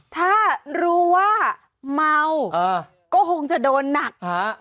ถ้ารู้ว่าเมาก็คงจะโดนหนักฮะ